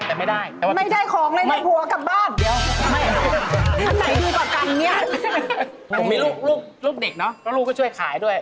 แล้วลูกก็ช่วยขายด้วย